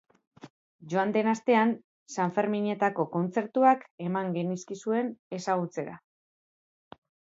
Joan den astean sanferminetako kontzertuak eman genizkizuen ezagutzera.